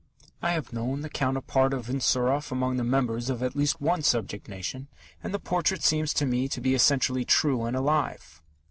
I have known the counterpart of Insarov among the members of at least one subject nation, and the portrait seems to me to be essentially true and alive.